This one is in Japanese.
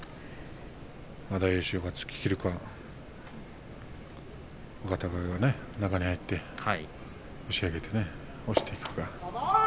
大栄翔が突ききるか若隆景が中に入って押し上げて、押していくか。